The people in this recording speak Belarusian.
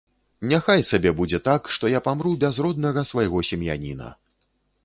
Няхай сабе будзе так, што я памру без роднага свайго сем'яніна.